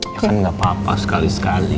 ya kan gapapa sekali sekali